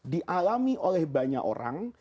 dialami oleh banyak orang